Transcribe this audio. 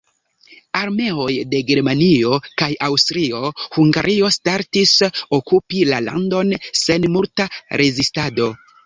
Armeoj de Germanio kaj Aŭstrio-Hungario startis okupi la landon sen multa rezistado.